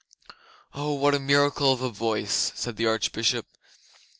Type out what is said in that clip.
'Oh, what a miracle of a voice!' said the Archbishop.